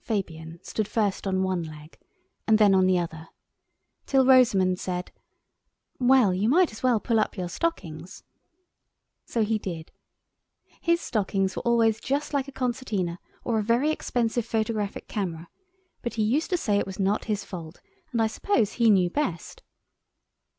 Fabian stood first on one leg and then on the other, till Rosamund said— "Well, you might as well pull up your stockings." So he did. His stockings were always just like a concertina or a very expensive photographic camera, but he used to say it was not his fault, and I suppose he knew best.